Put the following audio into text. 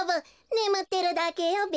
ねむってるだけよべ。